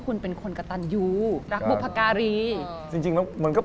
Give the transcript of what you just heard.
คือบอกว่าก๊อฟคือผู้ชายที่แม่เองเอ็นดูมากเลย